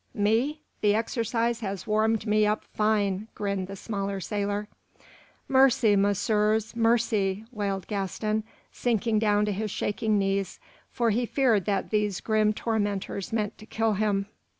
"Me? The exercise has warmed me up fine," grinned the smaller sailor. "Mercy, messieurs, mercy!" wailed Gaston, sinking down to his shaking knees, for he feared that these grim tormentors meant to kill him.